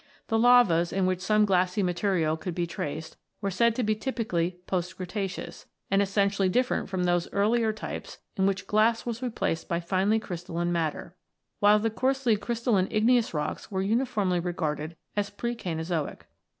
The lavas, in which some glassy matter could be traced, were said to be typically post Cretaceous, and essentially different from those earlier types in which glass was replaced by finely crystalline matter; while the coarsely crystalline igneous rocks were uniformly regarded as pre Cainozoic.